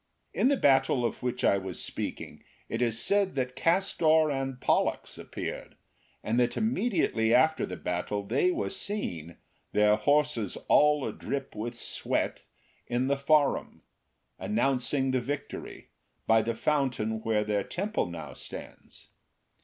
In the battle of which I was speaking, it is said that Castor and Pollux appeared, and that immediately after the battle they were seen, their horses all a drip with sweat, in the forum, announcing the victory, by the fountain where their temple now stands.